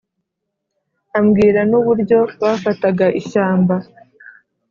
ambwira n’uburyo bafataga ishyamba